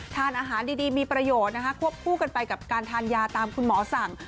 ทานอาหารดีมีประโยชน์นะคะควบคู่กันไปกับการทานยาตามคุณหมอสั่ง